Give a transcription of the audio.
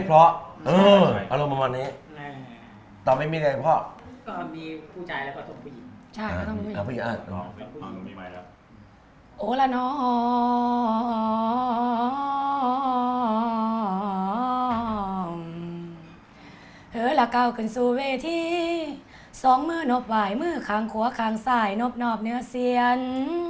เธอละก้าวขึ้นสู่เวทีสองมื้อนบหวายมื้อขางขัวขางสายนบนอบเนื้อเสียน